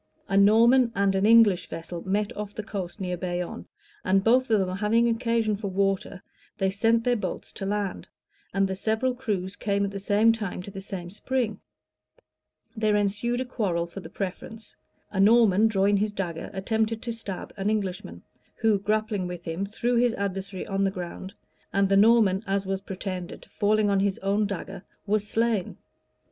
A Norman and an English vessel met off the coast near Bayonne; and both of them having occasion for water, they sent their boats to land, and the several crews came at the same time to the same spring: there ensued a quarrel for the preference: a Norman, drawing his dagger, attempted to stab an Englishman; who, grappling with him, threw his adversary on the ground; and the Norman, as was pretended, falling on his own dagger, was slain.